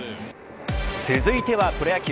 続いてはプロ野球。